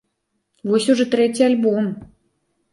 Вось ужо трэці альбом!